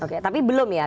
oke tapi belum ya